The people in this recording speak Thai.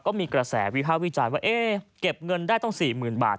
ก็มีกระแสวิภาควิจารณ์ว่าเอ๊ะเก็บเงินได้ต้อง๔๐๐๐บาท